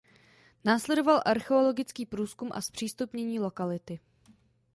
Následoval archeologický průzkum a zpřístupnění lokality.